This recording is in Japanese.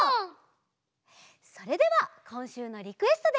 それではこんしゅうのリクエストで。